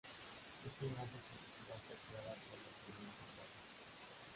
Esta imagen positiva fue creada por los pioneros en Brasil.